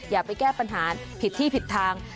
อย่าไปแก้ปัญหาผิดที่ผิดทาง